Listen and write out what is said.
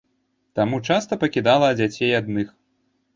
Таму часта пакідала дзяцей адных.